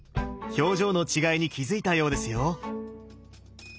表情の違いに気付いたようですよ。